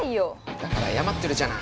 だから謝ってるじゃない。